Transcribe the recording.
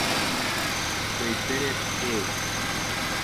They finished eighth.